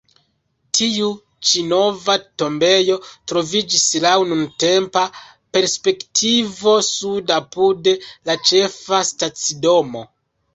Tiu ĉi nova tombejo troviĝis laŭ nuntempa perspektivo sude apud la ĉefa stacidomo.